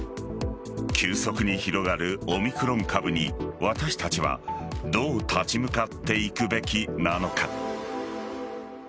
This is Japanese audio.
急速に広がるオミクロン株に私たちはどう立ち向かっていくべきなのか。